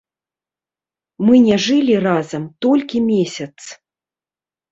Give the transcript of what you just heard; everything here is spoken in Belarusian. Мы не жылі разам толькі месяц.